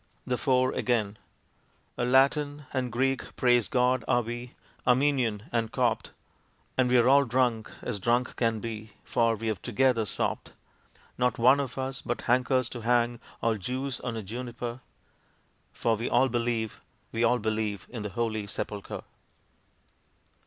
The Four again A Latin and Greek, praise God, are we, Armenian and Copt, And we're all drunk as drunk can be, for we've together sopped. Not one of us but hankers to hang all Jews on a Juniper, For we all believe, we all believe, in the Holy Sepulchre!